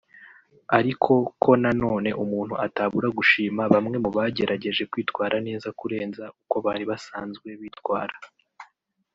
ariko ko na none umuntu atabura gushima bamwe mu bagerageje kwitwara neza kurenza uko bari basanzwe bitwara